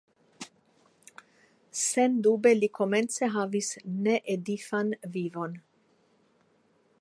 Sendube li komence havis needifan vivon.